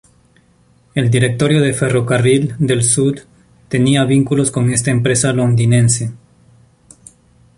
El directorio de Ferrocarril del Sud tenía vínculos con esta empresa londinense.